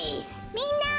みんな！